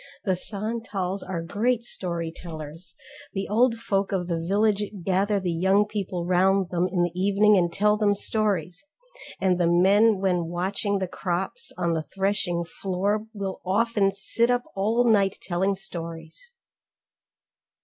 The Santals are great story tellers; the old folk of the village gather the young people round them in the evening and tell them stories, and the men when watching the crops on the threshing floor will often sit up all night telling stories.